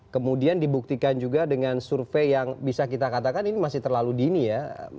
kemudian dibuktikan juga dengan survei yang bisa kita katakan ini masih terlalu dini ya